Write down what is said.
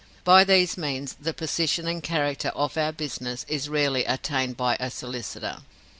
By these means, the position and character of our business, is rarely attained by a solicitor.